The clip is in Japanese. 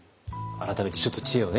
改めてちょっと知恵をね